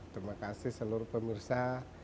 terima kasih seluruh pemirsa